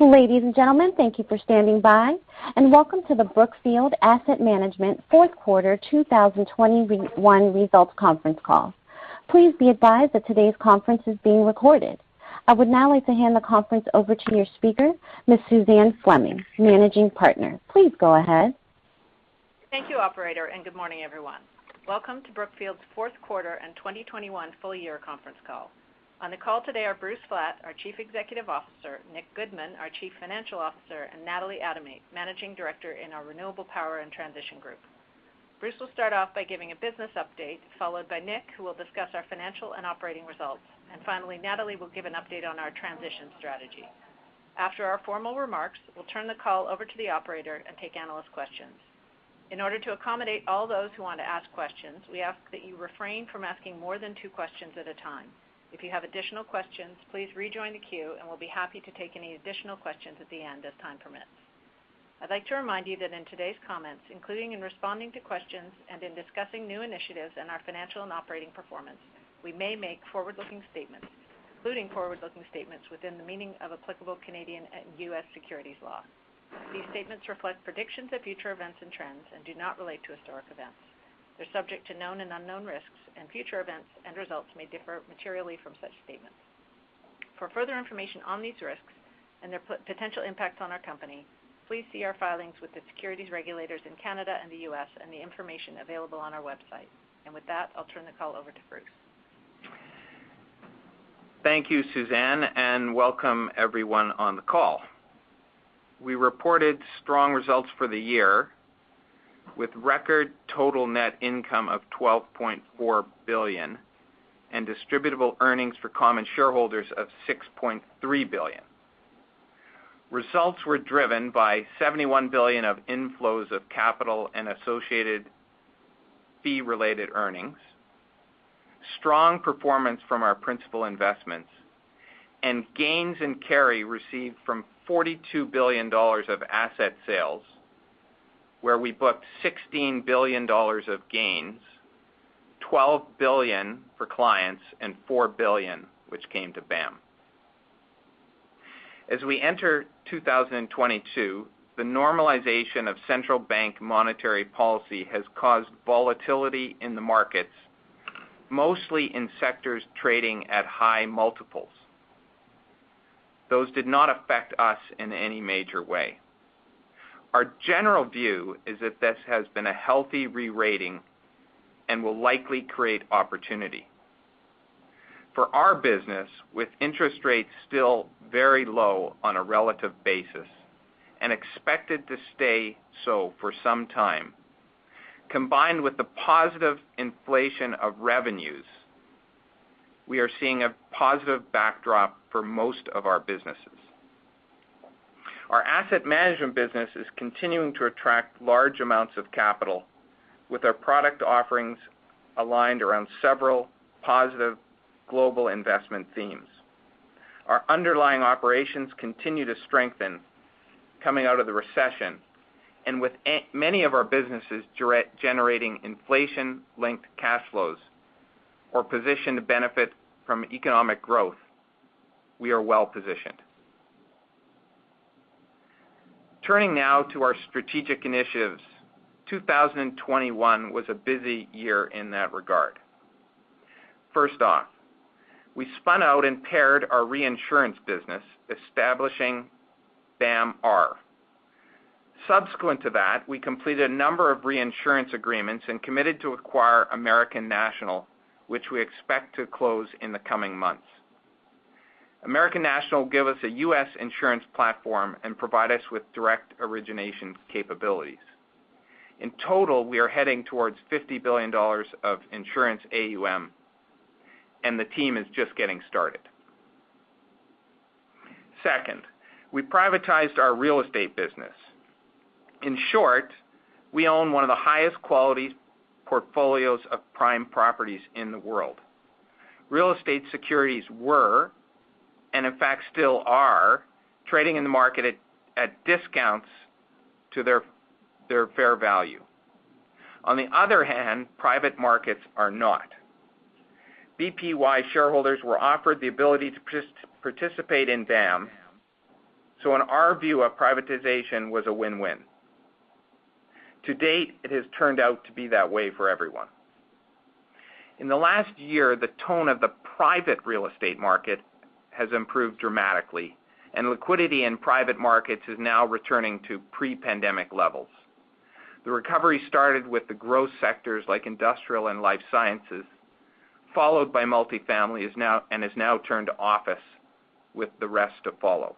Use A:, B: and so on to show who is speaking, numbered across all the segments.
A: Ladies and gentlemen, thank you for standing by, and welcome to the Brookfield Asset Management Fourth Quarter 2021 Results Conference Call. Please be advised that today's conference is being recorded. I would now like to hand the conference over to your speaker, Ms. Suzanne Fleming, Managing Partner. Please go ahead.
B: Thank you, operator, and good morning, everyone. Welcome to Brookfield's fourth quarter and 2021 full year conference call. On the call today are Bruce Flatt, our Chief Executive Officer, Nicholas Goodman, our Chief Financial Officer, and Natalie Adomait, Managing Director in our Renewable Power and Transition group. Bruce will start off by giving a business update, followed by Nick, who will discuss our financial and operating results. Finally, Natalie will give an update on our transition strategy. After our formal remarks, we'll turn the call over to the operator and take analyst questions. In order to accommodate all those who want to ask questions, we ask that you refrain from asking more than two questions at a time. If you have additional questions, please rejoin the queue, and we'll be happy to take any additional questions at the end as time permits. I'd like to remind you that in today's comments, including in responding to questions and in discussing new initiatives and our financial and operating performance, we may make forward-looking statements, including forward-looking statements within the meaning of applicable Canadian and U.S. securities law. These statements reflect predictions of future events and trends and do not relate to historic events. They're subject to known and unknown risks, and future events and results may differ materially from such statements. For further information on these risks and their potential impacts on our company, please see our filings with the securities regulators in Canada and the U.S. and the information available on our website. With that, I'll turn the call over to Bruce.
C: Thank you, Suzanne, and welcome everyone on the call. We reported strong results for the year with record total net income of $12.4 billion and distributable earnings for common shareholders of $6.3 billion. Results were driven by $71 billion of inflows of capital and associated fee related earnings, strong performance from our principal investments, and gains in carry received from $42 billion of asset sales, where we booked $16 billion of gains, $12 billion for clients, and $4 billion which came to BAM. As we enter 2022, the normalization of central bank monetary policy has caused volatility in the markets, mostly in sectors trading at high multiples. Those did not affect us in any major way. Our general view is that this has been a healthy re-rating and will likely create opportunity. For our business, with interest rates still very low on a relative basis and expected to stay so for some time, combined with the positive inflation of revenues, we are seeing a positive backdrop for most of our businesses. Our asset management business is continuing to attract large amounts of capital with our product offerings aligned around several positive global investment themes. Our underlying operations continue to strengthen coming out of the recession, and with many of our businesses directly generating inflation-linked cash flows or positioned to benefit from economic growth, we are well-positioned. Turning now to our strategic initiatives. 2021 was a busy year in that regard. First off, we spun out and paired our reinsurance business, establishing BAM Re. Subsequent to that, we completed a number of reinsurance agreements and committed to acquire American National, which we expect to close in the coming months. American National will give us a U.S. insurance platform and provide us with direct origination capabilities. In total, we are heading towards $50 billion of insurance AUM, and the team is just getting started. Second, we privatized our real estate business. In short, we own one of the highest quality portfolios of prime properties in the world. Real estate securities were, and in fact still are, trading in the market at discounts to their fair value. On the other hand, private markets are not. BPY shareholders were offered the ability to just participate in BAM, so in our view a privatization was a win-win. To date, it has turned out to be that way for everyone. In the last year, the tone of the private real estate market has improved dramatically, and liquidity in private markets is now returning to pre-pandemic levels. The recovery started with the growth sectors like industrial and life sciences, followed by multifamily, is now, and has now turned to office, with the rest to follow.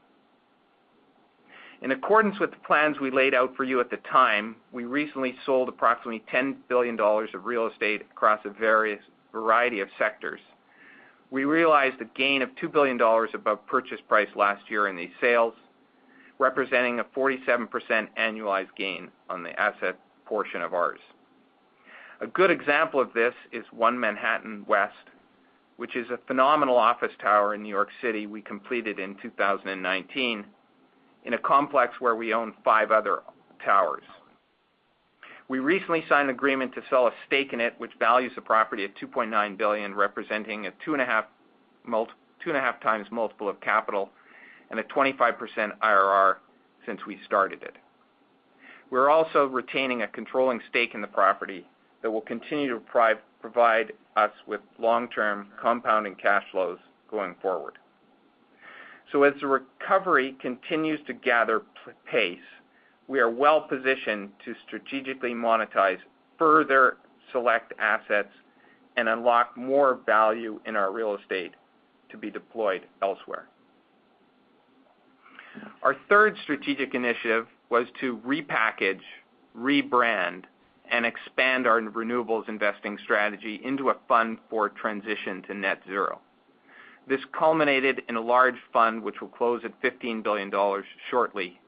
C: In accordance with the plans we laid out for you at the time, we recently sold approximately $10 billion of real estate across a variety of sectors. We realized a gain of $2 billion above purchase price last year in these sales, representing a 47% annualized gain on the asset portion of ours. A good example of this is One Manhattan West, which is a phenomenal office tower in New York City we completed in 2019 in a complex where we own five other towers. We recently signed an agreement to sell a stake in it, which values the property at $2.9 billion, representing a 2.5x multiple of capital and a 25% IRR since we started it. We're also retaining a controlling stake in the property that will continue to provide us with long-term compounding cash flows going forward. As the recovery continues to gather pace, we are well-positioned to strategically monetize further select assets and unlock more value in our real estate to be deployed elsewhere. Our third strategic initiative was to repackage, rebrand, and expand our renewables investing strategy into a fund for transition to net zero. This culminated in a large fund which will close at $15 billion shortly.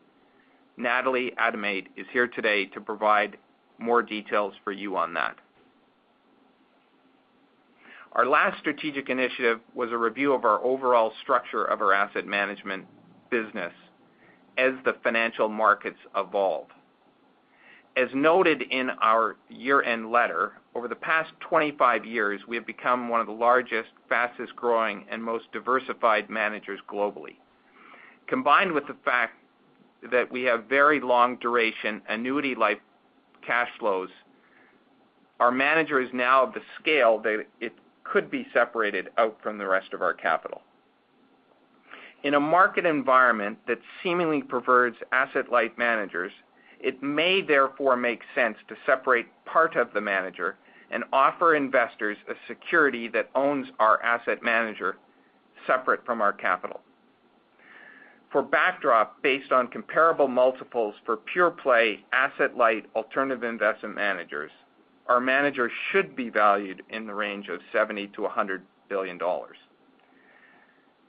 C: Natalie Adomait is here today to provide more details for you on that. Our last strategic initiative was a review of our overall structure of our asset management business as the financial markets evolve. As noted in our year-end letter, over the past 25 years, we have become one of the largest, fastest-growing, and most diversified managers globally. Combined with the fact that we have very long duration, annuity-like cash flows, our manager is now of the scale that it could be separated out from the rest of our capital. In a market environment that seemingly prefers asset-light managers, it may therefore make sense to separate part of the manager and offer investors a security that owns our asset manager separate from our capital. For backdrop based on comparable multiples for pure-play, asset-light alternative investment managers, our managers should be valued in the range of $70 billion-$100 billion.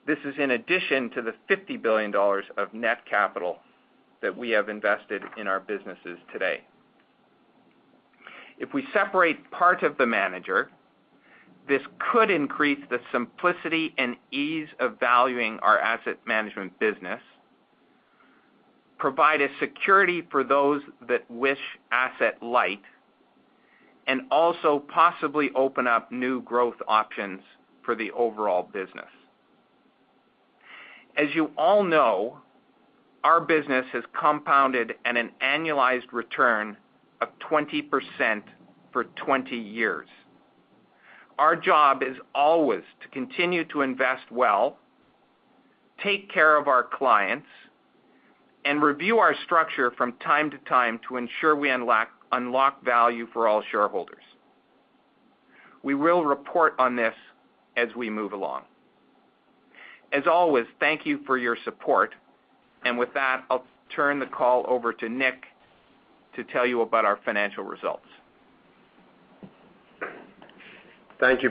C: This is in addition to the $50 billion of net capital that we have invested in our businesses today. If we separate part of the manager, this could increase the simplicity and ease of valuing our asset management business, provide a security for those that wish asset light, and also possibly open up new growth options for the overall business. As you all know, our business has compounded at an annualized return of 20% for 20 years. Our job is always to continue to invest well, take care of our clients, and review our structure from time to time to ensure we unlock value for all shareholders. We will report on this as we move along. As always, thank you for your support. With that, I'll turn the call over to Nick to tell you about our financial results.
D: Thank you,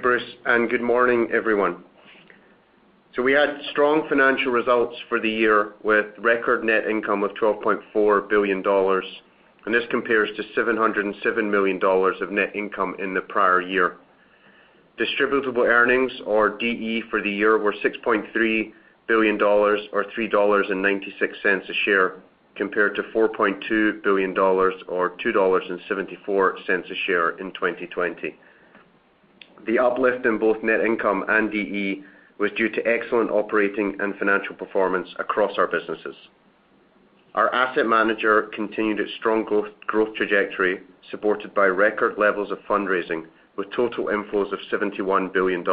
D: Bruce, and good morning, everyone. We had strong financial results for the year with record net income of $12.4 billion, and this compares to $707 million of net income in the prior year. Distributable earnings, or DE, for the year were $6.3 billion or $3.96 a share, compared to $4.2 billion or $2.74 a share in 2020. The uplift in both net income and DE was due to excellent operating and financial performance across our businesses. Our asset manager continued its strong growth trajectory, supported by record levels of fundraising, with total inflows of $71 billion.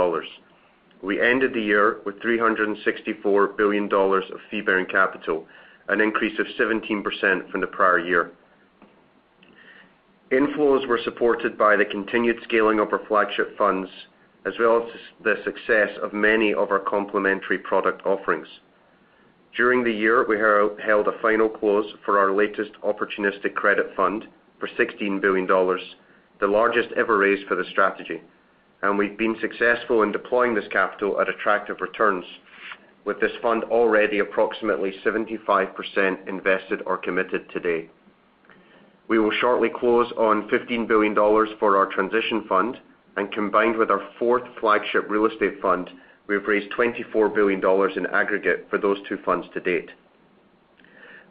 D: We ended the year with $364 billion of fee-bearing capital, an increase of 17% from the prior year. Inflows were supported by the continued scaling of our flagship funds, as well as the success of many of our complementary product offerings. During the year, we held a final close for our latest opportunistic credit fund for $16 billion, the largest ever raised for the strategy. We've been successful in deploying this capital at attractive returns with this fund already approximately 75% invested or committed today. We will shortly close on $15 billion for our transition fund and combined with our fourth flagship real estate fund, we have raised $24 billion in aggregate for those two funds to date.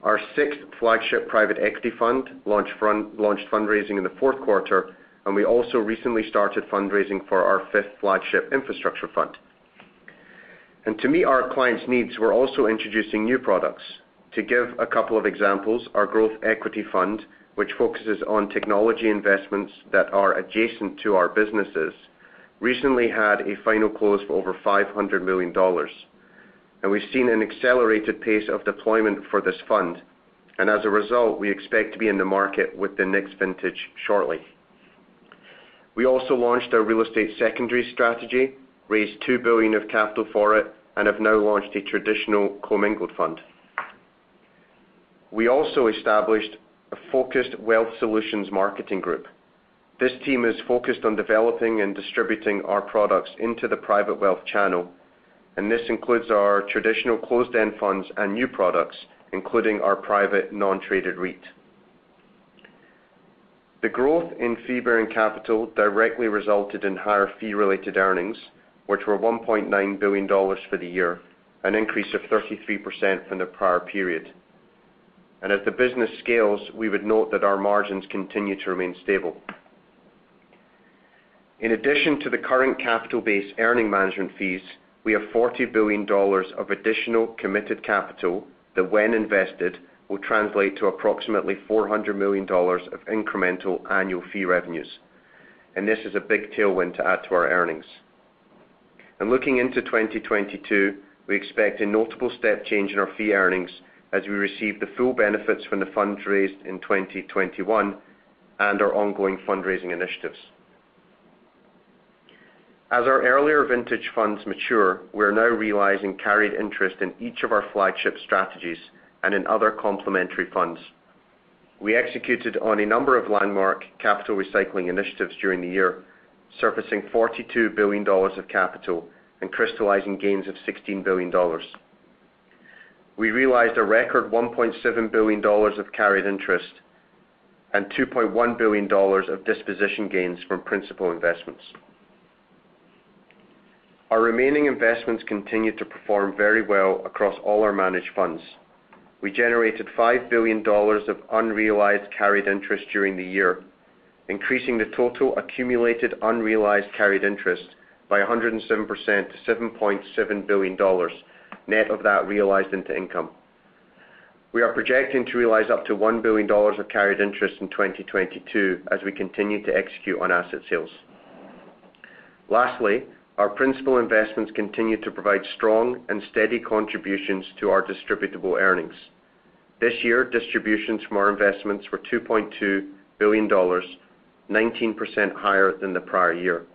D: Our sixth flagship private equity fund launched fundraising in the fourth quarter, and we also recently started fundraising for our fifth flagship infrastructure fund. To meet our clients' needs, we're also introducing new products. To give a couple of examples, our growth equity fund, which focuses on technology investments that are adjacent to our businesses, recently had a final close of over $500 million. We've seen an accelerated pace of deployment for this fund. As a result, we expect to be in the market with the next vintage shortly. We also launched our real estate secondary strategy, raised $2 billion of capital for it, and have now launched a traditional commingled fund. We also established a focused wealth solutions marketing group. This team is focused on developing and distributing our products into the private wealth channel, and this includes our traditional closed-end funds and new products, including our private non-traded REIT. The growth in fee-bearing capital directly resulted in higher fee-related earnings, which were $1.9 billion for the year, an increase of 33% from the prior period. As the business scales, we would note that our margins continue to remain stable. In addition to the current capital base earning management fees, we have $40 billion of additional committed capital that when invested, will translate to approximately $400 million of incremental annual fee revenues. This is a big tailwind to add to our earnings. Looking into 2022, we expect a notable step change in our fee earnings as we receive the full benefits from the funds raised in 2021 and our ongoing fundraising initiatives. As our earlier vintage funds mature, we are now realizing carried interest in each of our flagship strategies and in other complementary funds. We executed on a number of landmark capital recycling initiatives during the year, surfacing $42 billion of capital and crystallizing gains of $16 billion. We realized a record $1.7 billion of carried interest and $2.1 billion of disposition gains from principal investments. Our remaining investments continued to perform very well across all our managed funds. We generated $5 billion of unrealized carried interest during the year, increasing the total accumulated unrealized carried interest by 107% to $7.7 billion, net of that realized into income. We are projecting to realize up to $1 billion of carried interest in 2022 as we continue to execute on asset sales. Lastly, our principal investments continued to provide strong and steady contributions to our distributable earnings. This year, distributions from our investments were $2.2 billion, 19% higher than the prior year.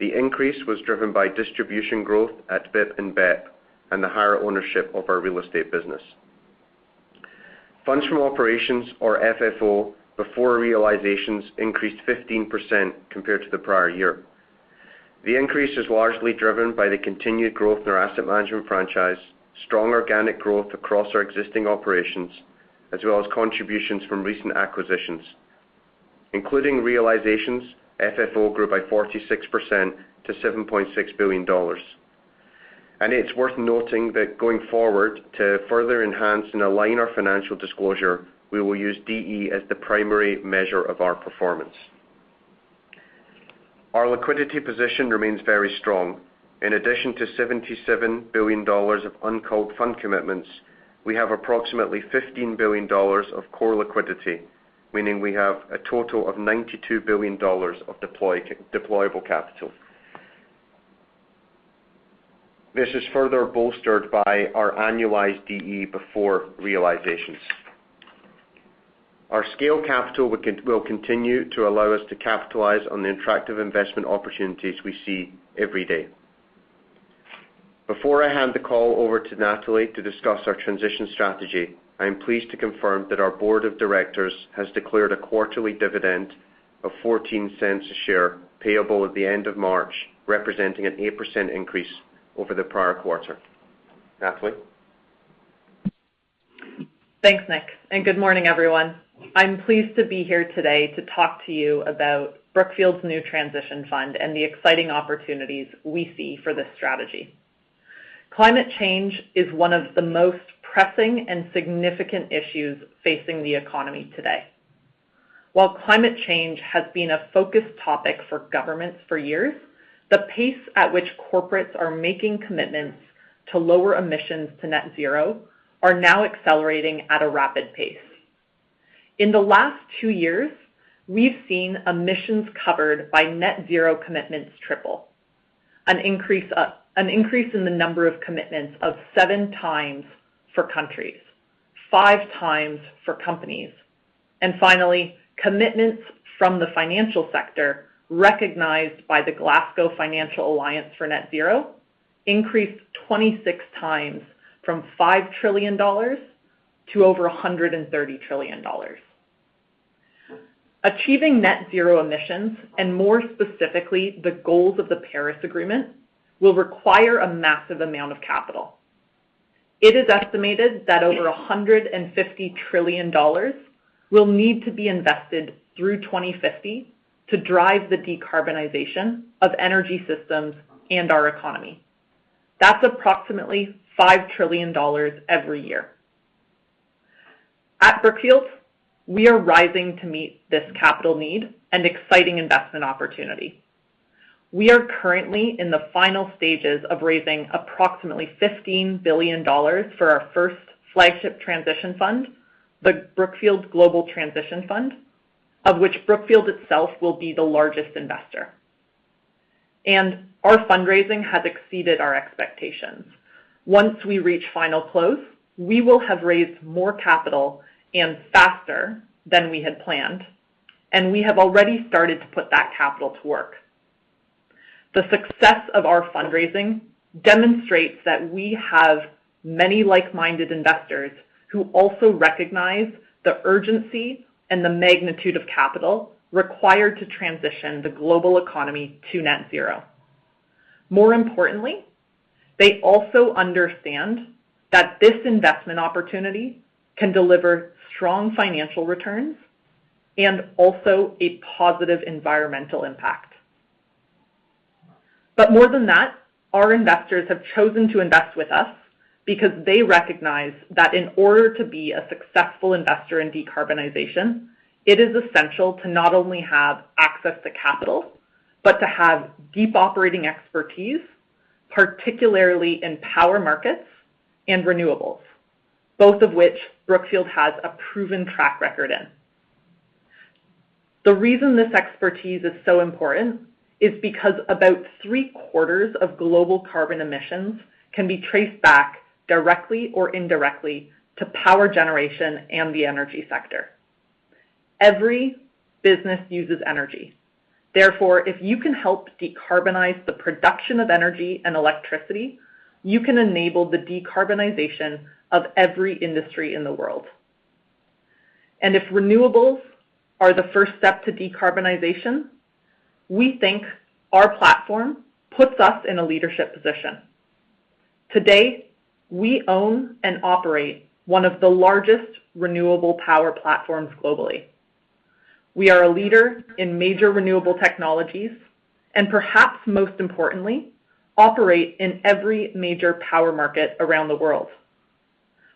D: The increase was driven by distribution growth at BIP and BEP and the higher ownership of our real estate business. Funds from operations or FFO before realizations increased 15% compared to the prior year. The increase is largely driven by the continued growth in our asset management franchise, strong organic growth across our existing operations, as well as contributions from recent acquisitions. Including realizations, FFO grew by 46% to $7.6 billion. It's worth noting that going forward to further enhance and align our financial disclosure, we will use DE as the primary measure of our performance. Our liquidity position remains very strong. In addition to $77 billion of uncalled fund commitments, we have approximately $15 billion of core liquidity, meaning we have a total of $92 billion of deployable capital. This is further bolstered by our annualized DE before realizations. Our scaled capital will continue to allow us to capitalize on the attractive investment opportunities we see every day. Before I hand the call over to Natalie to discuss our transition strategy, I am pleased to confirm that our board of directors has declared a quarterly dividend of $0.14 a share payable at the end of March, representing an 8% increase over the prior quarter. Natalie.
E: Thanks, Nick, and good morning, everyone. I'm pleased to be here today to talk to you about Brookfield's new transition fund and the exciting opportunities we see for this strategy. Climate change is one of the most pressing and significant issues facing the economy today. While climate change has been a focus topic for governments for years, the pace at which corporates are making commitments to lower emissions to net zero are now accelerating at a rapid pace. In the last two years, we've seen emissions covered by net zero commitments triple. An increase in the number of commitments of seven times for countries, five times for companies. Finally, commitments from the financial sector recognized by the Glasgow Financial Alliance for Net Zero increased 26 times from $5 trillion to over $130 trillion. Achieving net zero emissions, and more specifically, the goals of the Paris Agreement, will require a massive amount of capital. It is estimated that over $150 trillion will need to be invested through 2050 to drive the decarbonization of energy systems and our economy. That's approximately $5 trillion every year. At Brookfield, we are rising to meet this capital need and exciting investment opportunity. We are currently in the final stages of raising approximately $15 billion for our first flagship transition fund, the Brookfield Global Transition Fund, of which Brookfield itself will be the largest investor. Our fundraising has exceeded our expectations. Once we reach final close, we will have raised more capital and faster than we had planned, and we have already started to put that capital to work. The success of our fundraising demonstrates that we have many like-minded investors who also recognize the urgency and the magnitude of capital required to transition the global economy to net zero. More importantly, they also understand that this investment opportunity can deliver strong financial returns and also a positive environmental impact. More than that, our investors have chosen to invest with us because they recognize that in order to be a successful investor in decarbonization, it is essential to not only have access to capital, but to have deep operating expertise, particularly in power markets and renewables, both of which Brookfield has a proven track record in. The reason this expertise is so important is because about three-quarters of global carbon emissions can be traced back directly or indirectly to power generation and the energy sector. Every business uses energy. Therefore, if you can help decarbonize the production of energy and electricity, you can enable the decarbonization of every industry in the world. If renewables are the first step to decarbonization, we think our platform puts us in a leadership position. Today, we own and operate one of the largest renewable power platforms globally. We are a leader in major renewable technologies, and perhaps most importantly, operate in every major power market around the world.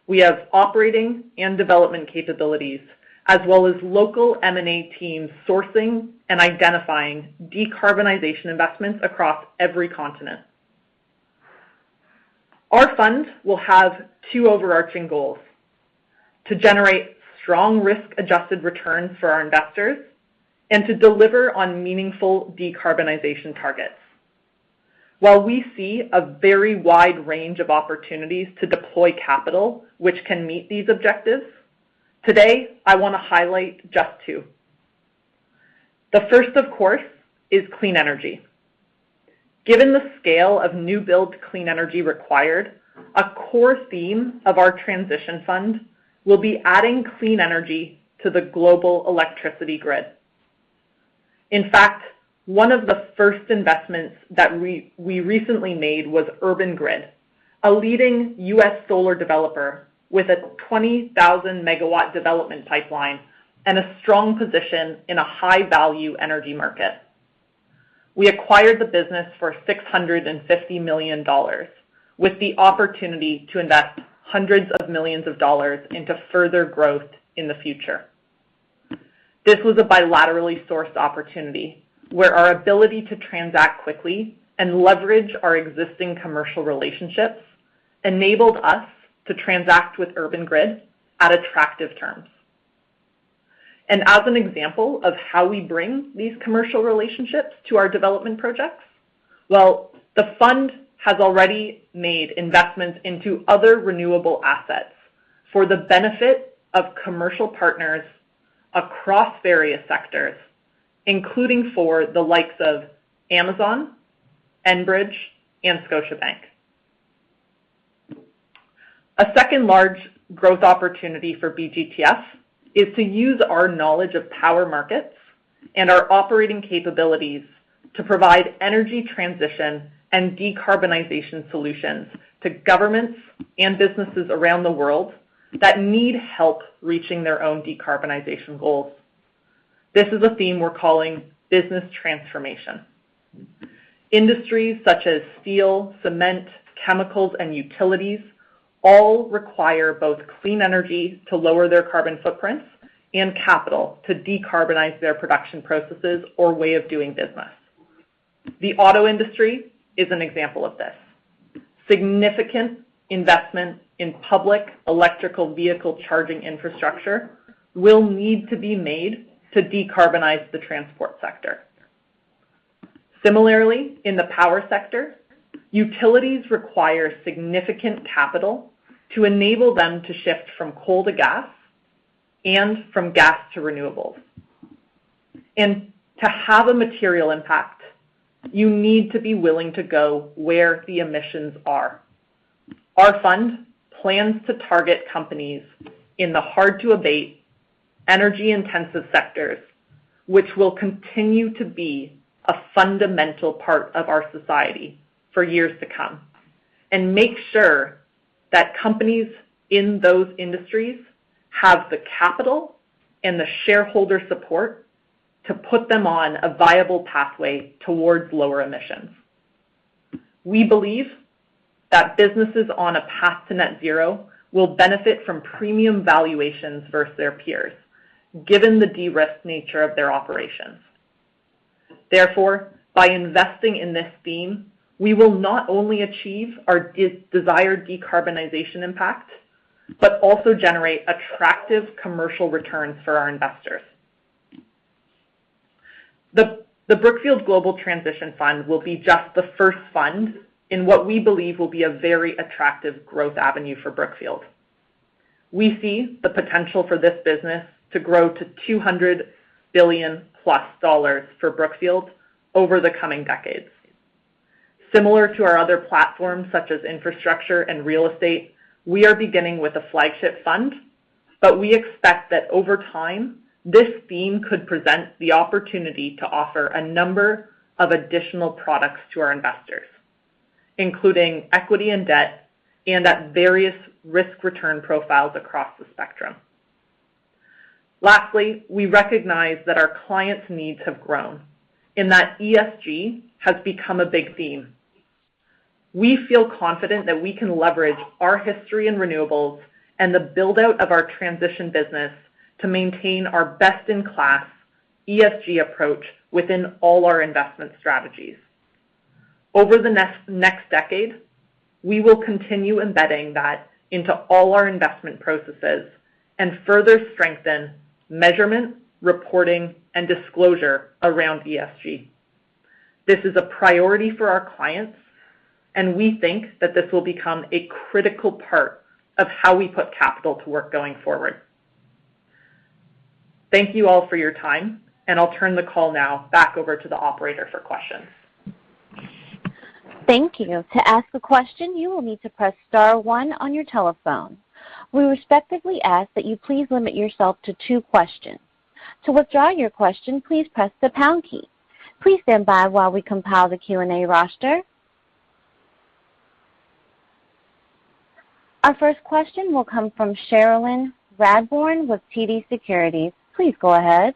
E: We have operating and development capabilities, as well as local M&A teams sourcing and identifying decarbonization investments across every continent. Our fund will have two overarching goals. To generate strong risk-adjusted returns for our investors and to deliver on meaningful decarbonization targets. While we see a very wide range of opportunities to deploy capital, which can meet these objectives, today I want to highlight just two. The first, of course, is clean energy. Given the scale of new build clean energy required, a core theme of our transition fund will be adding clean energy to the global electricity grid. In fact, one of the first investments that we recently made was Urban Grid, a leading U.S. solar developer with a 20,000 MW development pipeline and a strong position in a high-value energy market. We acquired the business for $650 million with the opportunity to invest hundreds of millions of dollars into further growth in the future. This was a bilaterally sourced opportunity where our ability to transact quickly and leverage our existing commercial relationships enabled us to transact with Urban Grid at attractive terms. As an example of how we bring these commercial relationships to our development projects, well, the fund has already made investments into other renewable assets for the benefit of commercial partners across various sectors, including for the likes of Amazon, Enbridge, and Scotiabank. A second large growth opportunity for BGTF is to use our knowledge of power markets and our operating capabilities to provide energy transition and decarbonization solutions to governments and businesses around the world that need help reaching their own decarbonization goals. This is a theme we're calling business transformation. Industries such as steel, cement, chemicals, and utilities all require both clean energy to lower their carbon footprints and capital to decarbonize their production processes or way of doing business. The auto industry is an example of this. Significant investment in public electric vehicle charging infrastructure will need to be made to decarbonize the transport sector. Similarly, in the power sector, utilities require significant capital to enable them to shift from coal to gas and from gas to renewables. To have a material impact, you need to be willing to go where the emissions are. Our fund plans to target companies in the hard-to-abate energy-intensive sectors, which will continue to be a fundamental part of our society for years to come, and make sure that companies in those industries have the capital and the shareholder support to put them on a viable pathway towards lower emissions. We believe that businesses on a path to net zero will benefit from premium valuations versus their peers, given the de-risk nature of their operations. Therefore, by investing in this theme, we will not only achieve our desired decarbonization impact, but also generate attractive commercial returns for our investors. The Brookfield Global Transition Fund will be just the first fund in what we believe will be a very attractive growth avenue for Brookfield. We see the potential for this business to grow to $200 billion plus for Brookfield over the coming decades. Similar to our other platforms, such as infrastructure and real estate, we are beginning with a flagship fund. We expect that over time, this theme could present the opportunity to offer a number of additional products to our investors, including equity and debt and at various risk-return profiles across the spectrum. Lastly, we recognize that our clients' needs have grown and that ESG has become a big theme. We feel confident that we can leverage our history in renewables and the build-out of our transition business to maintain our best-in-class ESG approach within all our investment strategies. Over the next decade, we will continue embedding that into all our investment processes and further strengthen measurement, reporting, and disclosure around ESG. This is a priority for our clients, and we think that this will become a critical part of how we put capital to work going forward. Thank you all for your time, and I'll turn the call now back over to the operator for questions.
A: Thank you. To ask a question, you will need to press star one on your telephone. We respectfully ask that you please limit yourself to two questions. To withdraw your question, please press the pound key. Please stand by while we compile the Q&A roster. Our first question will come from Cherilyn Radbourne with TD Securities. Please go ahead.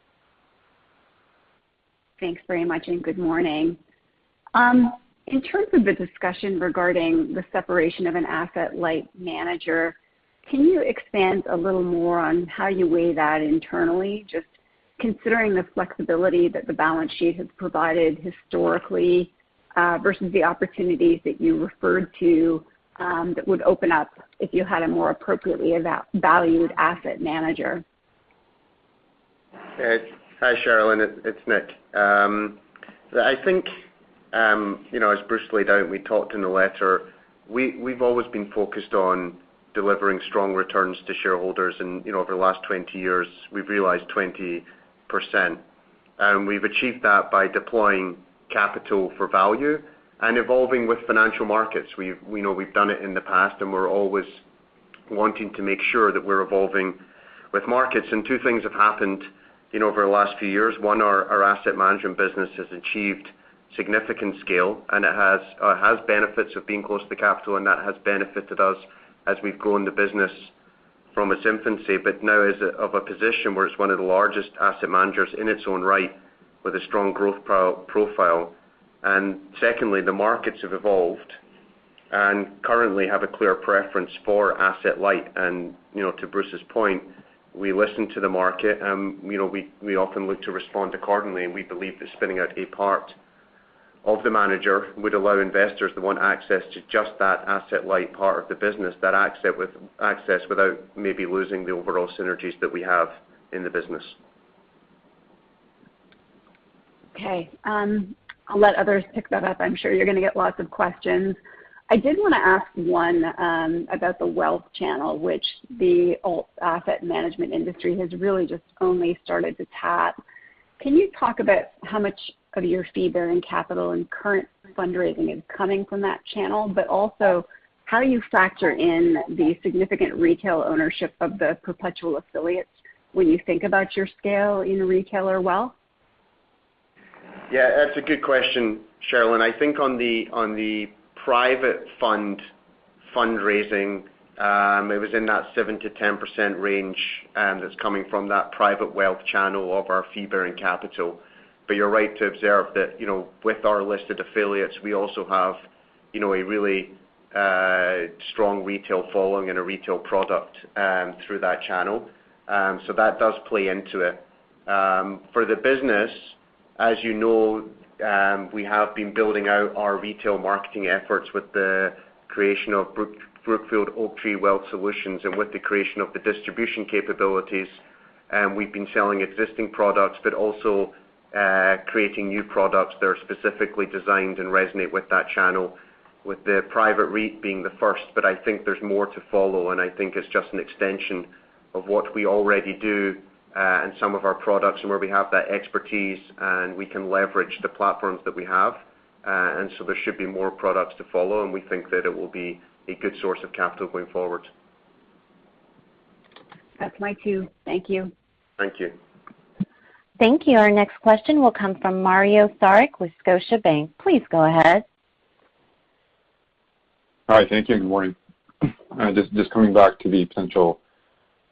F: Thanks very much, and good morning. In terms of the discussion regarding the separation of an asset-light manager, can you expand a little more on how you weigh that internally, just considering the flexibility that the balance sheet has provided historically, versus the opportunities that you referred to, that would open up if you had a more appropriately valued asset manager?
D: Hi, Cherilyn. It's Nick. I think, you know, as Bruce laid out, we talked in the letter, we've always been focused on delivering strong returns to shareholders. You know, over the last 20 years, we've realized 20%. We've achieved that by deploying capital for value and evolving with financial markets. We know we've done it in the past, and we're always wanting to make sure that we're evolving with markets. Two things have happened, you know, over the last few years. One, our asset management business has achieved significant scale, and it has benefits of being close to capital, and that has benefited us as we've grown the business from its infancy. But now it's at a position where it's one of the largest asset managers in its own right with a strong growth profile. Secondly, the markets have evolved and currently have a clear preference for asset light. You know, to Bruce's point, we listen to the market, you know, we often look to respond accordingly, and we believe that spinning out a part of the manager would allow investors that want access to just that asset light part of the business, access without maybe losing the overall synergies that we have in the business.
F: Okay. I'll let others pick that up. I'm sure you're gonna get lots of questions. I did wanna ask one about the wealth channel, which the alt asset management industry has really just only started to tap. Can you talk about how much of your fee bearing capital and current fundraising is coming from that channel? But also, how do you factor in the significant retail ownership of the perpetual affiliates when you think about your scale in retail or wealth?
D: Yeah, that's a good question, Cherilyn. I think on the private fund fundraising, it was in that 7%-10% range, and it's coming from that private wealth channel of our fee bearing capital. You're right to observe that, you know, with our listed affiliates, we also have, you know, a really strong retail following and a retail product through that channel. That does play into it. For the business, as you know, we have been building out our retail marketing efforts with the creation of Brookfield Oaktree Wealth Solutions and with the creation of the distribution capabilities. We've been selling existing products but also creating new products that are specifically designed and resonate with that channel, with the private REIT being the first. I think there's more to follow, and I think it's just an extension of what we already do, in some of our products and where we have that expertise, and we can leverage the platforms that we have. There should be more products to follow, and we think that it will be a good source of capital going forward.
F: That's my cue. Thank you.
D: Thank you.
A: Thank you. Our next question will come from Mario Saric with Scotiabank. Please go ahead.
G: Hi. Thank you, and good morning. Just coming back to the potential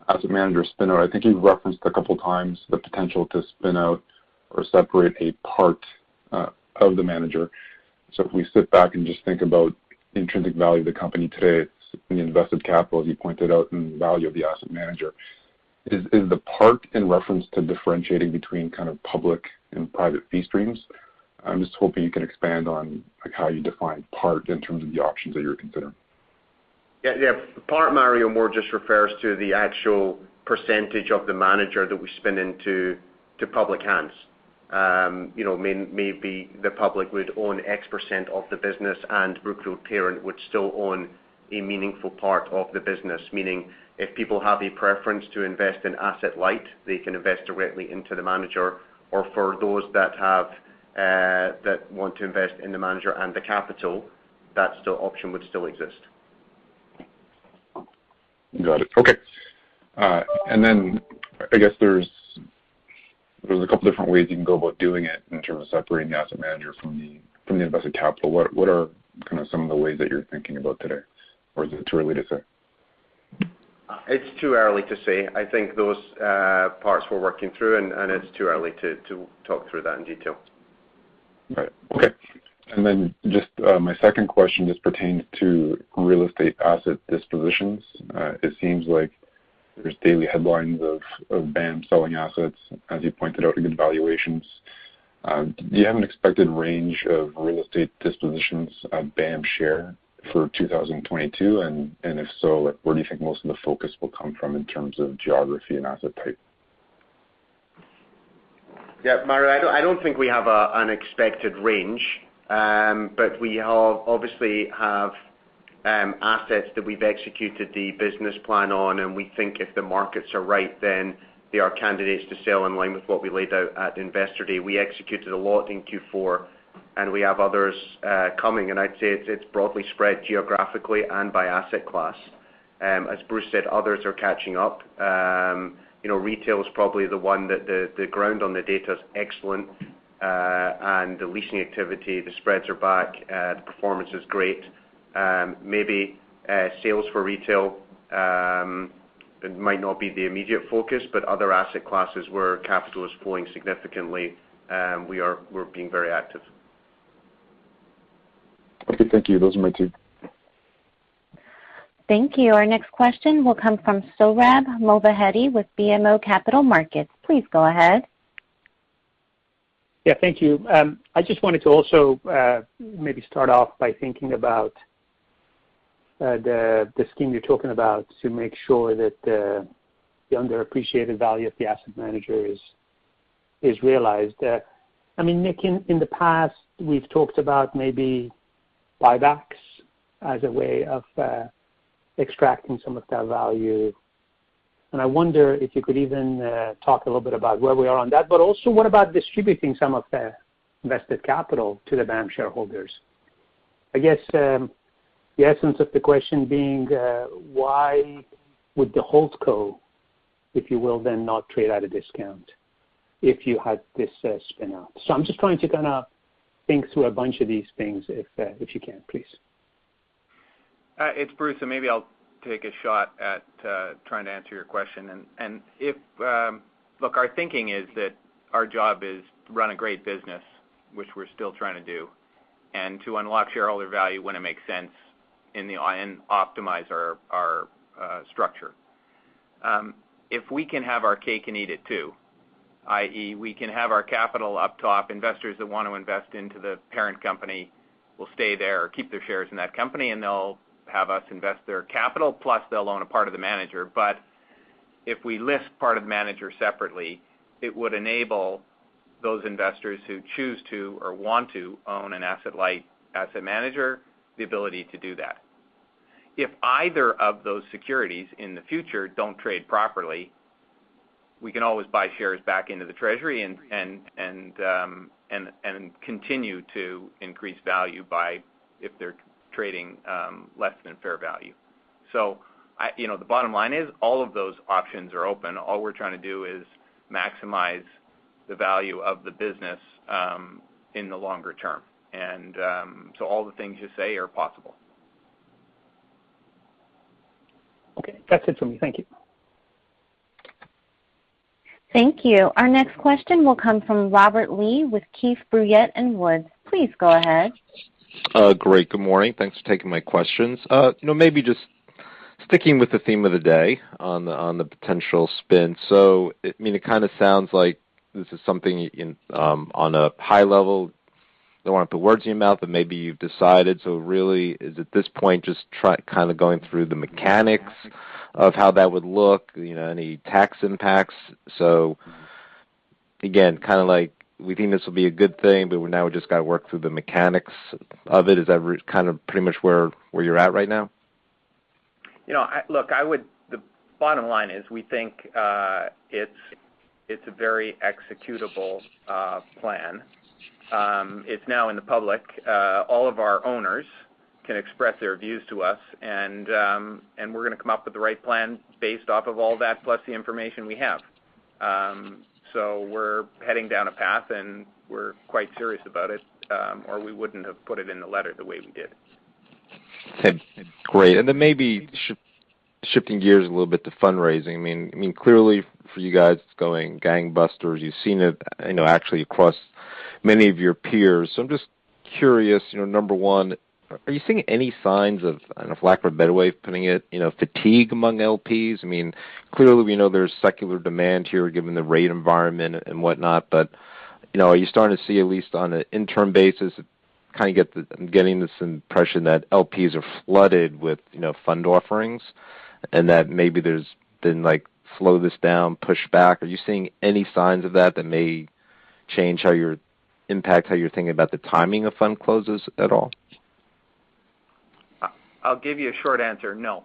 G: asset manager spin out. I think you've referenced a couple times the potential to spin out or separate a part of the manager. If we sit back and just think about intrinsic value of the company today, it's in the invested capital, as you pointed out, and the value of the asset manager. Is the part in reference to differentiating between kind of public and private fee streams? I'm just hoping you can expand on, like, how you define part in terms of the options that you're considering.
D: Yeah. Part, Mario, more just refers to the actual percentage of the manager that we spin into public hands. You know, maybe the public would own X% of the business, and Brookfield parent would still own a meaningful part of the business. Meaning, if people have a preference to invest in asset-light, they can invest directly into the manager, or for those that want to invest in the manager and the capital. That still option would still exist.
G: Got it. Okay. I guess there's a couple different ways you can go about doing it in terms of separating the asset manager from the invested capital. What are kind of some of the ways that you're thinking about today? Or is it too early to say?
D: It's too early to say. I think those parts we're working through, and it's too early to talk through that in detail.
G: Right. Okay. My second question just pertains to real estate asset dispositions. It seems like there's daily headlines of BAM selling assets, as you pointed out, in good valuations. Do you have an expected range of real estate dispositions of BAM share for 2022? And if so, like, where do you think most of the focus will come from in terms of geography and asset type?
D: Yeah, Mario, I don't think we have an expected range. We obviously have assets that we've executed the business plan on, and we think if the markets are right, then they are candidates to sell in line with what we laid out at Investor Day. We executed a lot in Q4, and we have others coming. I'd say it's broadly spread geographically and by asset class. As Bruce said, others are catching up. You know, retail is probably the one that the ground on the data is excellent, and the leasing activity, the spreads are back. The performance is great. Maybe sales for retail might not be the immediate focus, but other asset classes where capital is flowing significantly, we're being very active.
G: Okay, thank you. Those are my two.
A: Thank you. Our next question will come from Sohrab Movahedi with BMO Capital Markets. Please go ahead.
H: Yeah, thank you. I just wanted to also maybe start off by thinking about the scheme you're talking about to make sure that the underappreciated value of the asset manager is realized. I mean, Nick, in the past, we've talked about maybe buybacks as a way of extracting some of that value. And I wonder if you could even talk a little bit about where we are on that, but also what about distributing some of the invested capital to the BAM shareholders? I guess the essence of the question being why would the holdco, if you will, then not trade at a discount if you had this spin out? I'm just trying to kinda think through a bunch of these things if you can, please.
C: It's Bruce, and maybe I'll take a shot at trying to answer your question. Look, our thinking is that our job is to run a great business, which we're still trying to do, and to unlock shareholder value when it makes sense and optimize our structure. If we can have our cake and eat it too, i.e., we can have our capital up top, investors that want to invest into the parent company will stay there or keep their shares in that company, and they'll have us invest their capital, plus they'll own a part of the manager. If we list part of the manager separately, it would enable those investors who choose to or want to own an asset, like asset manager, the ability to do that. If either of those securities in the future don't trade properly, we can always buy shares back into the treasury and continue to increase value by buying if they're trading less than fair value. You know, the bottom line is all of those options are open. All we're trying to do is maximize the value of the business in the longer term. All the things you say are possible.
H: Okay. That's it for me. Thank you.
A: Thank you. Our next question will come from Robert Lee with Keefe, Bruyette & Woods. Please go ahead.
I: Good morning. Thanks for taking my questions. You know, maybe just sticking with the theme of the day on the potential spin. I mean, it kinda sounds like this is something in on a high level. Don't wanna put words in your mouth, but maybe you've decided. So really it is at this point, kinda going through the mechanics of how that would look, you know, any tax impacts. Again, kinda like we think this will be a good thing, but now we just gotta work through the mechanics of it. Is that kind of pretty much where you're at right now?
C: You know, the bottom line is we think it's a very executable plan. It's now in the public. All of our owners can express their views to us and we're gonna come up with the right plan based off of all that, plus the information we have. We're heading down a path, and we're quite serious about it, or we wouldn't have put it in the letter the way we did.
I: Okay. Great. Maybe shifting gears a little bit to fundraising. I mean, clearly for you guys, it's going gangbusters. You've seen it, you know, actually across many of your peers. I'm just curious, you know, number one, are you seeing any signs of, I don't know, for lack of a better way of putting it, you know, fatigue among LPs? I mean, clearly, we know there's secular demand here given the rate environment and whatnot, but, you know, are you starting to see at least on an interim basis, kinda, I'm getting this impression that LPs are flooded with, you know, fund offerings, and that maybe there's been, like, slowdown, push back. Are you seeing any signs of that that may impact how you're thinking about the timing of fund closes at all?
C: I'll give you a short answer. No.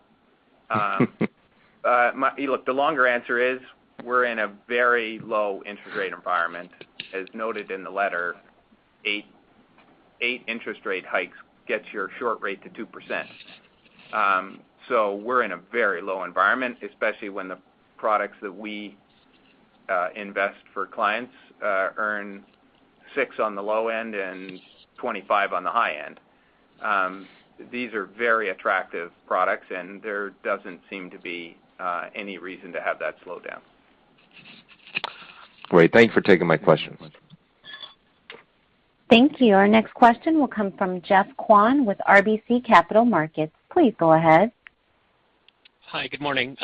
C: Look, the longer answer is we're in a very low interest rate environment. As noted in the letter, eight interest rate hikes gets your short rate to 2%. We're in a very low environment, especially when the products that we invest for clients earn 6% on the low end and 25% on the high end. These are very attractive products, and there doesn't seem to be any reason to have that slow down.
I: Great. Thank you for taking my question.
A: Thank you. Our next question will come from Jeff Kwan with RBC Capital Markets. Please go ahead.
J: Hi, good morning.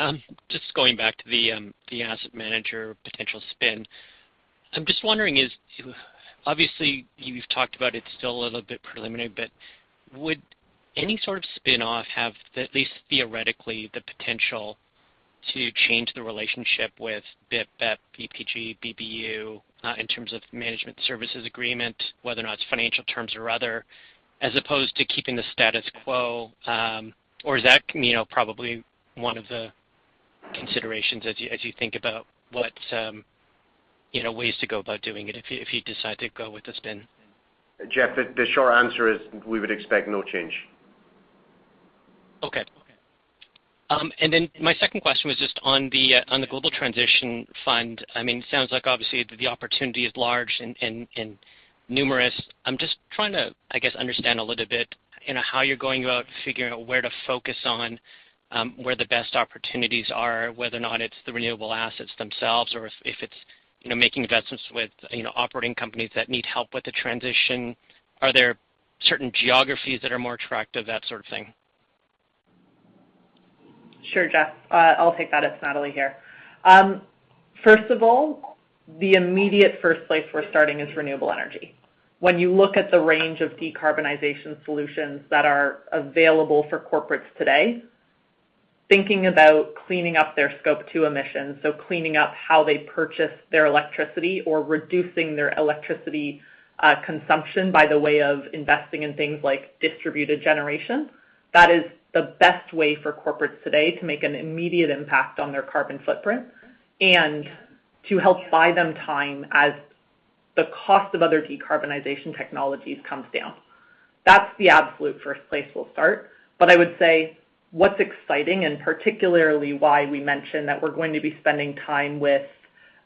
J: Just going back to the asset manager potential spin. I'm just wondering obviously, you've talked about it's still a little bit preliminary, but would any sort of spinoff have at least theoretically the potential to change the relationship with BIP, BEP, BPG, BBU, in terms of management services agreement, whether or not it's financial terms or other, as opposed to keeping the status quo? Or is that, you know, probably one of the considerations as you think about what, you know, ways to go about doing it if you decide to go with the spin?
D: Jeff, the short answer is we would expect no change.
J: Okay. Then my second question was just on the global transition fund. I mean, it sounds like obviously the opportunity is large and numerous. I'm just trying to, I guess, understand a little bit, you know, how you're going about figuring out where to focus on where the best opportunities are, whether or not it's the renewable assets themselves or if it's, you know, making investments with, you know, operating companies that need help with the transition. Are there certain geographies that are more attractive, that sort of thing?
E: Sure, Jeff. I'll take that. It's Natalie here. First of all, the immediate first place we're starting is renewable energy. When you look at the range of decarbonization solutions that are available for corporates today, thinking about cleaning up their Scope 2 emissions, so cleaning up how they purchase their electricity or reducing their electricity consumption by way of investing in things like distributed generation, that is the best way for corporates today to make an immediate impact on their carbon footprint and to help buy them time as the cost of other decarbonization technologies comes down. That's the absolute first place we'll start. I would say what's exciting, and particularly why we mentioned that we're going to be spending time with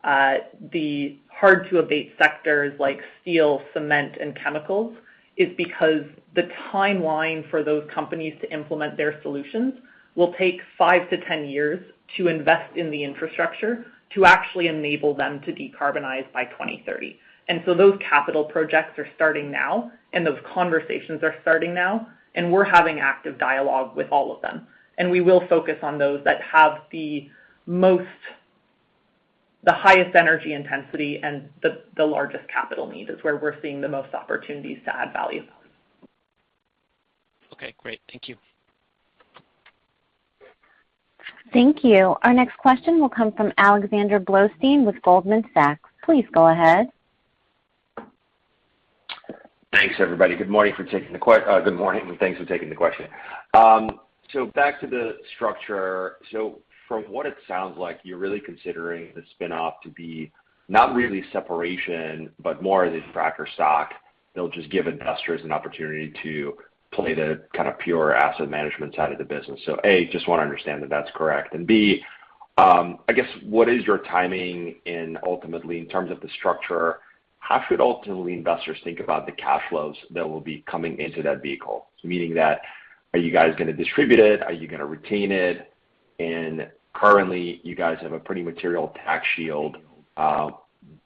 E: the hard-to-abate sectors like steel, cement, and chemicals, is because the timeline for those companies to implement their solutions will take 5-10 years to invest in the infrastructure to actually enable them to decarbonize by 2030. Those capital projects are starting now, and those conversations are starting now, and we're having active dialogue with all of them. We will focus on those that have the highest energy intensity and the largest capital needs is where we're seeing the most opportunities to add value.
J: Okay, great. Thank you.
A: Thank you. Our next question will come from Alexander Blostein with Goldman Sachs. Please go ahead.
K: Thanks, everybody. Good morning, and thanks for taking the question. Back to the structure. From what it sounds like, you're really considering the spin-off to be not really separation, but more the tracker stock. It'll just give investors an opportunity to play the kind of pure asset management side of the business. A, just wanna understand that that's correct. B, I guess what is your timing ultimately in terms of the structure, how should investors think about the cash flows that will be coming into that vehicle? Meaning that are you guys gonna distribute it? Are you gonna retain it? Currently, you guys have a pretty material tax shield,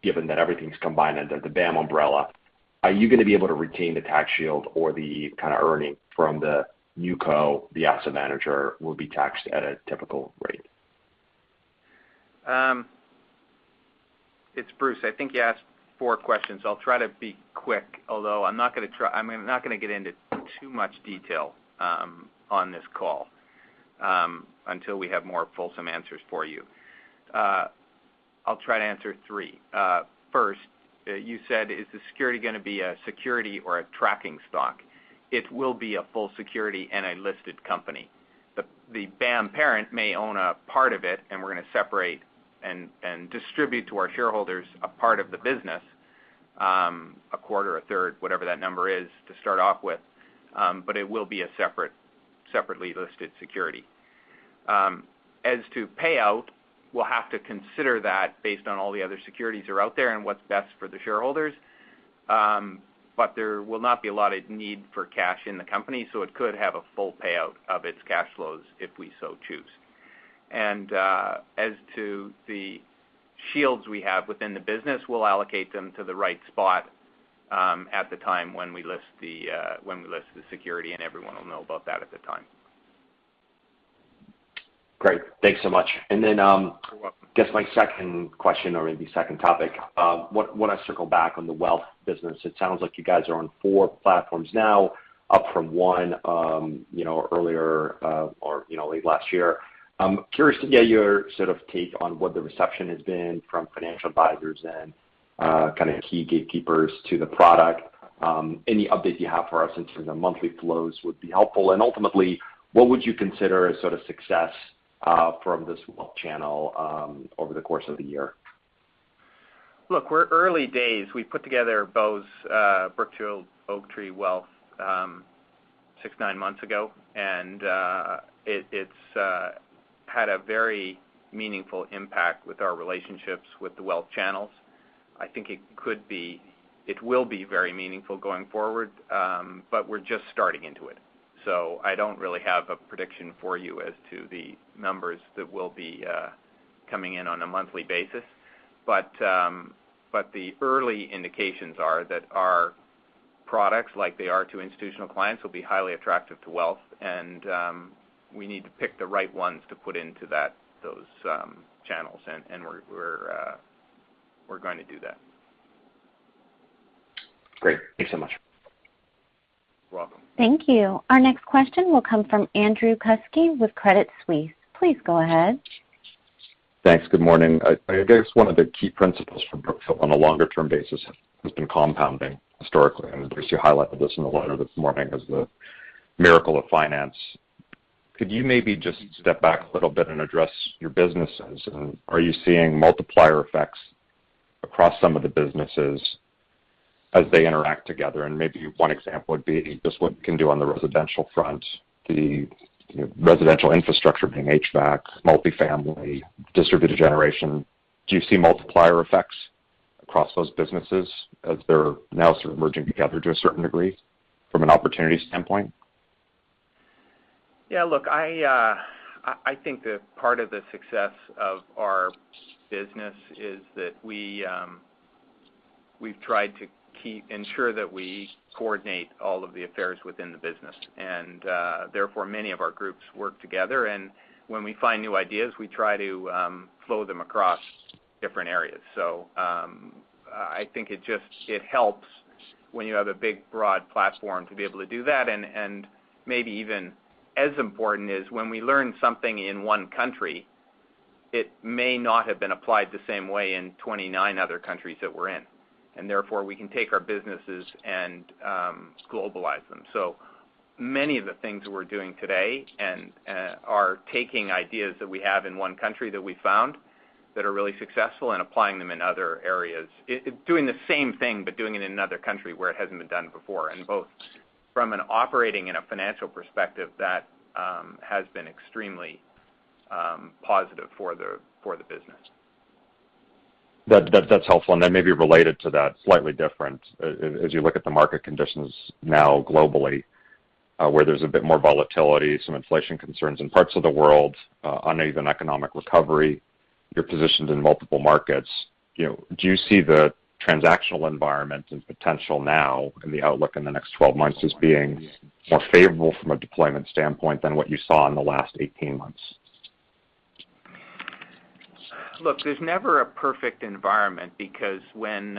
K: given that everything's combined under the BAM umbrella. Are you gonna be able to retain the tax shield or the kinda earnings from the new co? The asset manager will be taxed at a typical rate?
C: It's Bruce. I think you asked four questions. I'll try to be quick, although I'm not gonna get into too much detail on this call until we have more fulsome answers for you. I'll try to answer three. First, you said is the security gonna be a security or a tracking stock? It will be a full security and a listed company. The BAM parent may own a part of it, and we're gonna separate and distribute to our shareholders a part of the business, a quarter, a third, whatever that number is to start off with, but it will be a separate, separately listed security. As to payout, we'll have to consider that based on all the other securities that are out there and what's best for the shareholders. there will not be a lot of need for cash in the company, so it could have a full payout of its cash flows if we so choose. As to the shields we have within the business, we'll allocate them to the right spot, at the time when we list the security, and everyone will know about that at the time.
K: Great. Thanks so much. I guess my second question or maybe second topic, wanna circle back on the wealth business. It sounds like you guys are on four platforms now, up from one, you know, earlier, or, you know, late last year. I'm curious to get your sort of take on what the reception has been from financial advisors and, kinda key gatekeepers to the product? Any update you have for us in terms of monthly flows would be helpful. Ultimately, what would you consider a sort of success from this wealth channel over the course of the year?
C: Look, we're early days. We put together BOWS, Brookfield Oaktree Wealth, six or nine months ago, and it's had a very meaningful impact with our relationships with the wealth channels. I think it will be very meaningful going forward, but we're just starting into it. I don't really have a prediction for you as to the numbers that will be coming in on a monthly basis. The early indications are that our products like they are to institutional clients, will be highly attractive to wealth and we need to pick the right ones to put into those channels, and we're going to do that.
K: Great. Thank you so much.
C: You're welcome.
A: Thank you. Our next question will come from Andrew Kuske with Credit Suisse. Please go ahead.
L: Thanks. Good morning. I guess one of the key principles for Brookfield on a longer term basis has been compounding historically, and of course, you highlighted this in the letter this morning as the miracle of finance. Could you maybe just step back a little bit and address your businesses? Are you seeing multiplier effects across some of the businesses as they interact together? Maybe one example would be just what you can do on the residential front, the, you know, residential infrastructure being HVAC, multifamily, distributed generation. Do you see multiplier effects across those businesses as they're now sort of merging together to a certain degree from an opportunity standpoint?
C: Yeah. Look, I think that part of the success of our business is that we've tried to ensure that we coordinate all of the affairs within the business. Therefore, many of our groups work together. When we find new ideas, we try to flow them across different areas. I think it just helps when you have a big, broad platform to be able to do that. Maybe even as important is when we learn something in one country, it may not have been applied the same way in 29 other countries that we're in, and therefore we can take our businesses and globalize them. Many of the things we're doing today and are taking ideas that we have in one country that we found that are really successful and applying them in other areas. It's doing the same thing but doing it in another country where it hasn't been done before. Both from an operating and a financial perspective, that has been extremely positive for the business.
L: That's helpful. Then maybe related to that, slightly different. As you look at the market conditions now globally, where there's a bit more volatility, some inflation concerns in parts of the world, uneven economic recovery, you're positioned in multiple markets. You know, do you see the transactional environment and potential now in the outlook in the next 12 months as being more favorable from a deployment standpoint than what you saw in the last 18 months?
C: Look, there's never a perfect environment because when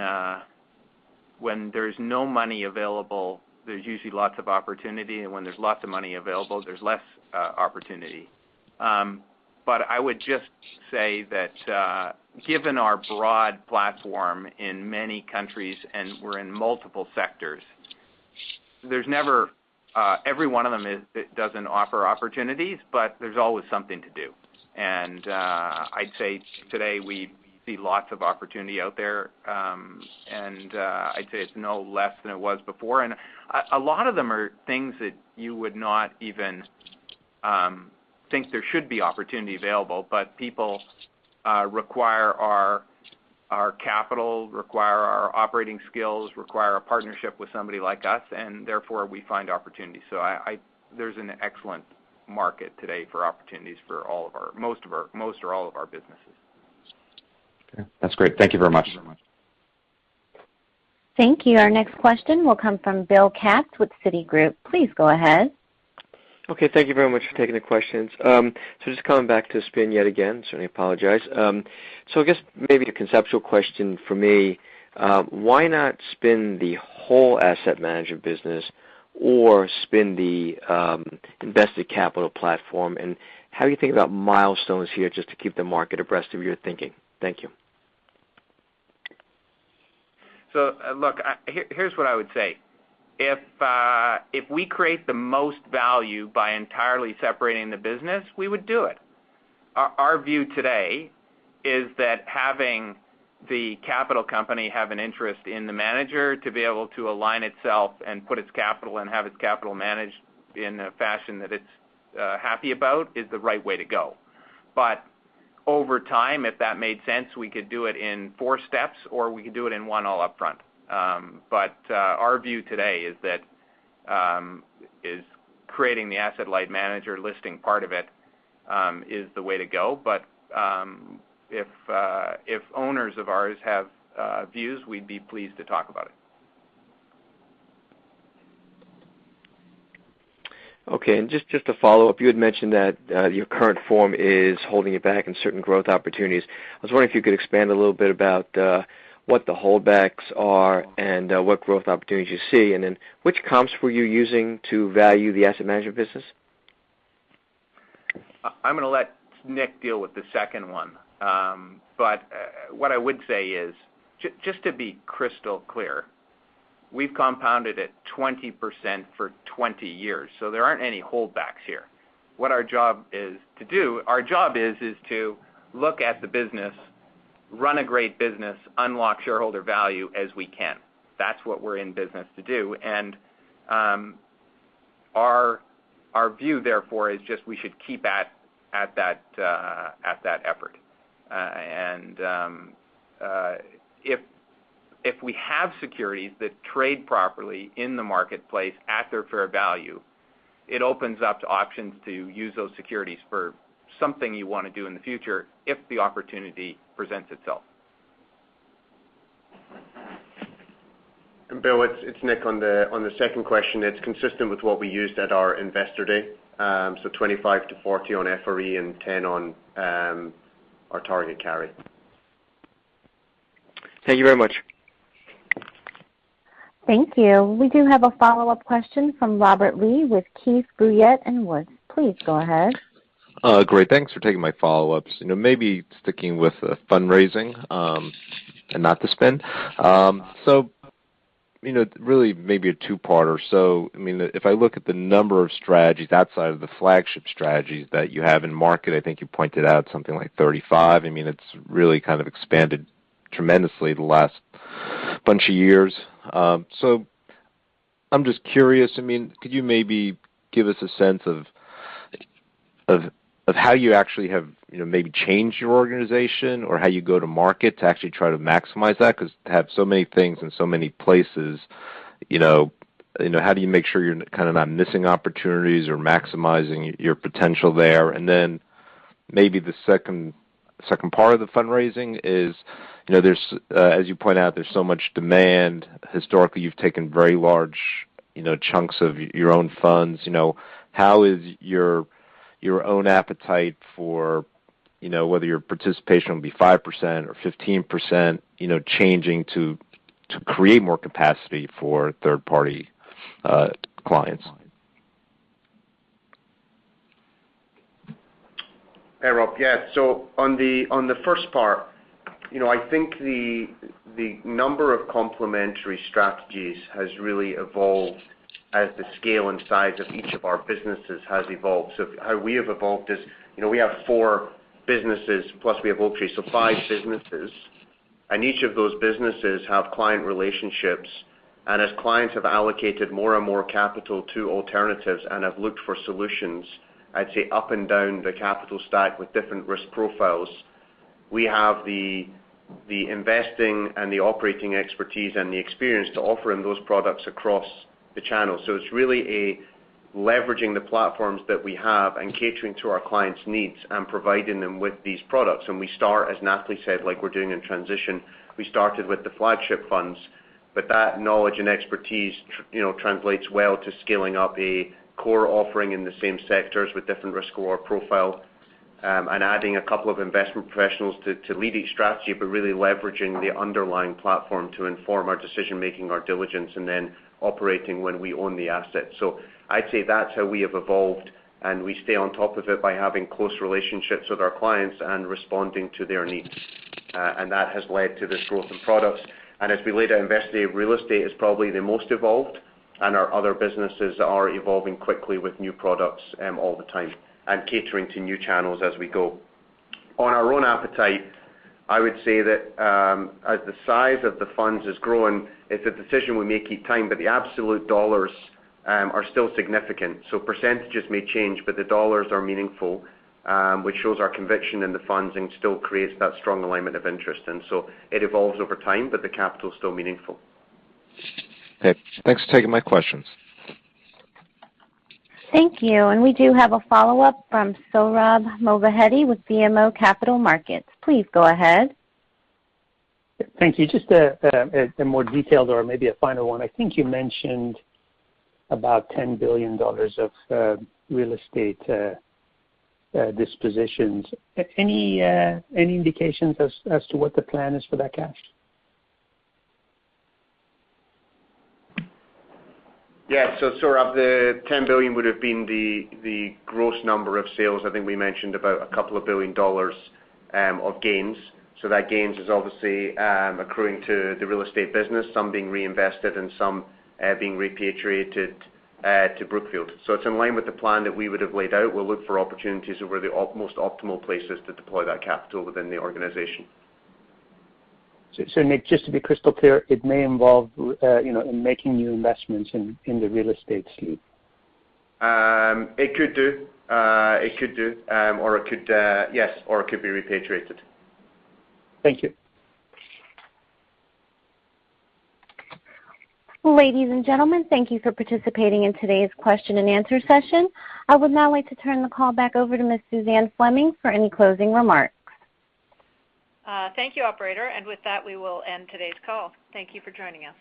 C: there's no money available, there's usually lots of opportunity. When there's lots of money available, there's less opportunity. I would just say that, given our broad platform in many countries, and we're in multiple sectors, there's never every one of them doesn't offer opportunities, but there's always something to do. I'd say today we see lots of opportunity out there, and I'd say it's no less than it was before. A lot of them are things that you would not even think there should be opportunity available, but people require our capital, require our operating skills, require a partnership with somebody like us, and therefore we find opportunities. There's an excellent market today for opportunities for most or all of our businesses.
L: Okay. That's great. Thank you very much.
A: Thank you. Our next question will come from Bill Katz with Citigroup. Please go ahead.
M: Okay. Thank you very much for taking the questions. Just coming back to spin yet again. I certainly apologize. I guess maybe a conceptual question from me. Why not spin the whole asset management business or spin the invested capital platform? How are you thinking about milestones here just to keep the market abreast of your thinking? Thank you.
C: Look, here's what I would say. If we create the most value by entirely separating the business, we would do it. Our view today is that having the capital company have an interest in the manager to be able to align itself and put its capital and have its capital managed in a fashion that it's happy about is the right way to go. Over time, if that made sense, we could do it in four steps, or we could do it in one all upfront. Our view today is that creating the asset light manager listing part of it is the way to go. If owners of ours have views, we'd be pleased to talk about it.
M: Okay. Just to follow up, you had mentioned that your current form is holding you back in certain growth opportunities. I was wondering if you could expand a little bit about what the holdbacks are and what growth opportunities you see. Which comps were you using to value the asset management business?
C: I'm gonna let Nick deal with the second one. But what I would say is just to be crystal clear, we've compounded it 20% for 20 years, so there aren't any holdbacks here. What our job is to do, our job is to look at the business, run a great business, unlock shareholder value as we can. That's what we're in business to do. Our view, therefore, is just we should keep at that effort. If we have securities that trade properly in the marketplace at their fair value, it opens up to options to use those securities for something you wanna do in the future if the opportunity presents itself.
D: Bill, it's Nick on the second question. It's consistent with what we used at our investor day. 25-40 on FRE and 10 on our target carry.
M: Thank you very much.
A: Thank you. We do have a follow-up question from Robert Lee with Keefe, Bruyette & Woods. Please go ahead.
I: Great. Thanks for taking my follow-ups. You know, maybe sticking with the fundraising, and not the spin. You know, really maybe a two-parter. I mean, if I look at the number of strategies outside of the flagship strategies that you have in market, I think you pointed out something like 35. I mean, it's really kind of expanded tremendously the last bunch of years. I'm just curious, I mean, could you maybe give us a sense of how you actually have, you know, maybe changed your organization or how you go to market to actually try to maximize that? Because to have so many things in so many places, you know, how do you make sure you're kinda not missing opportunities or maximizing your potential there? Then maybe the second part of the fundraising is, you know, there's, as you point out, there's so much demand. Historically, you've taken very large, you know, chunks of your own funds. You know, how is your own appetite for, you know, whether your participation will be 5% or 15%, you know, changing to create more capacity for third-party clients?
D: Hi, Rob. Yeah. On the first part, you know, I think the number of complementary strategies has really evolved as the scale and size of each of our businesses has evolved. How we have evolved is, you know, we have four businesses, plus we have Oaktree, so five businesses. Each of those businesses have client relationships. As clients have allocated more and more capital to alternatives and have looked for solutions, I'd say up and down the capital stack with different risk profiles, we have the investing and the operating expertise and the experience to offer them those products across the channel. It's really leveraging the platforms that we have and catering to our clients' needs and providing them with these products. We start, as Natalie said, like we're doing in transition. We started with the flagship funds, but that knowledge and expertise, you know, translates well to scaling up a core offering in the same sectors with different risk or profile, and adding a couple of investment professionals to lead each strategy, but really leveraging the underlying platform to inform our decision-making, our diligence, and then operating when we own the asset. I'd say that's how we have evolved, and we stay on top of it by having close relationships with our clients and responding to their needs. That has led to this growth in products. As we laid out yesterday, real estate is probably the most evolved, and our other businesses are evolving quickly with new products all the time and catering to new channels as we go. On our own appetite, I would say that, as the size of the funds is growing, it's a decision we make each time, but the absolute dollars are still significant. So percentages may change, but the dollars are meaningful, which shows our conviction in the funds and still creates that strong alignment of interest. It evolves over time, but the capital is still meaningful.
I: Okay. Thanks for taking my questions.
A: Thank you. We do have a follow-up from Sohrab Movahedi with BMO Capital Markets. Please go ahead.
H: Thank you. Just a more detailed or maybe a final one. I think you mentioned about $10 billion of real estate dispositions. Any indications as to what the plan is for that cash?
D: Sohrab, the $10 billion would have been the gross number of sales. I think we mentioned about $2 billion of gains. That gains is obviously accruing to the real estate business, some being reinvested and some being repatriated to Brookfield. It's in line with the plan that we would have laid out. We'll look for opportunities where the most optimal places to deploy that capital within the organization.
H: Nick, just to be crystal clear, it may involve, you know, making new investments in the real estate suite.
D: It could do. It could, yes, or it could be repatriated.
H: Thank you.
A: Ladies and gentlemen, thank you for participating in today's question and answer session. I would now like to turn the call back over to Ms. Suzanne Fleming for any closing remarks.
B: Thank you, operator. With that, we will end today's call. Thank you for joining us.